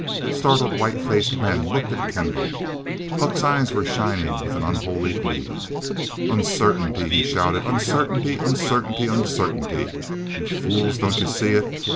Startled, white faced men looked at Kendall. Buck's eyes were shining with an unholy glee. "Uncertainty!" he shouted. "Uncertainty uncertainty uncertainty, you fools! Don't you see it?